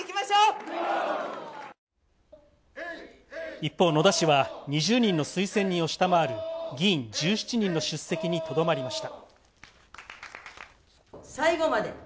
一方、野田氏は、２０人の推薦人を下回る議員１７人の出席にとどまりました。